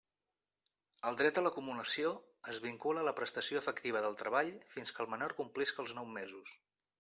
El dret a l'acumulació es vincula a la prestació efectiva del treball fins que el menor complisca els nou mesos.